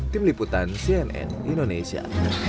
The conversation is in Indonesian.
tim liputan cnn indonesia